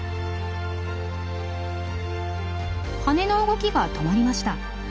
羽の動きが止まりました。